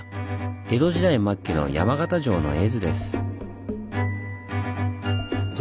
江戸時代末期の山形城の絵図です。